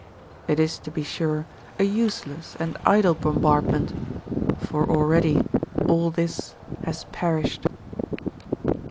It is, to be sure, a useless and idle bombardment, for already all this has perished.